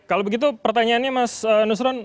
kalau begitu pertanyaannya mas nusron